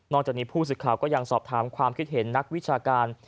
จากนี้ผู้สื่อข่าวก็ยังสอบถามความคิดเห็นนักวิชาการ